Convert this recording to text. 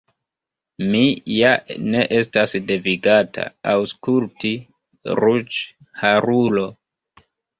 Vi ja ne estas devigata aŭskulti, ruĝharulo.